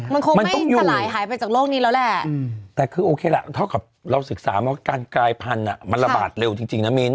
มันคงไม่สลายหายไปจากโลกนี้แล้วแหละแต่คือโอเคล่ะเท่ากับเราศึกษามาว่าการกลายพันธุ์มันระบาดเร็วจริงนะมิ้น